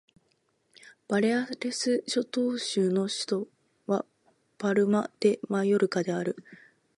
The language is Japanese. バレアレス諸島州の州都はパルマ・デ・マヨルカである